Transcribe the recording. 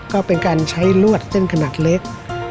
ก็เป็นการใช้ลวดเส้นขนาดเล็ก